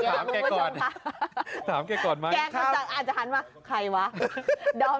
ตามไอ้เจ้าก่อน